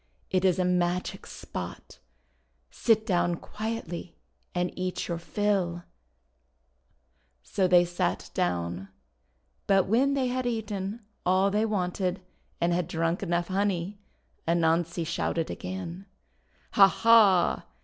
It is a magic spot. Sit down quietly and eat your fill.' 99 170 THE WONDER GARDEN So they sat down. But when they had eaten all they wanted, and had drunk enough honey, Anansi shouted again: — "Ha! ha!